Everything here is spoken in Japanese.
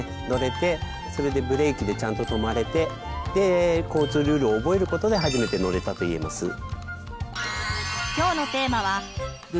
乗れてそれでブレーキでちゃんと止まれてで交通ルールを覚えることで初めて乗れたと言えます。